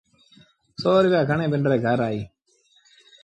سو روپيآ کڻي پنڊري گھر آئيٚ